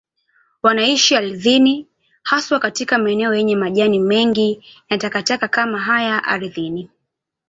Wanaishi ardhini, haswa katika maeneo yenye majani mengi na takataka kama haya ardhini.